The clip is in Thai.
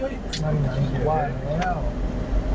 มีแหงอยู่ที่นี่